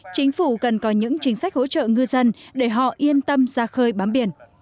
chính phủ cần có những chính sách hỗ trợ ngư dân để họ yên tâm ra khơi bám biển